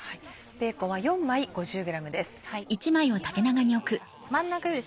ベーコンは４枚５０ｇです。